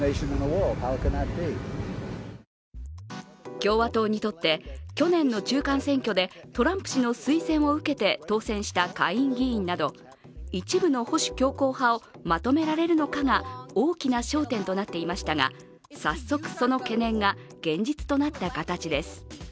共和党にとって去年の中間選挙でトランプ氏の推薦を受けて当選した下院議員など一部の保守強硬派をまとめられるのかが大きな焦点となっていましたが早速、その懸念が現実となった形です。